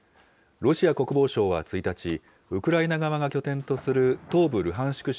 ロシア国防省は１日、ウクライナ側が拠点とする東部ルハンシク